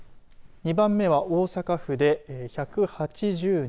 ２番目は大阪府で１８０人。